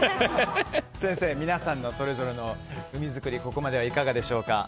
先生、皆さんのそれぞれの海作りここまではいかがでしょうか。